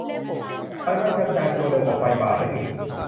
ไวรัสกระจายตัวเร็วกว่าไฟป่าซะอีก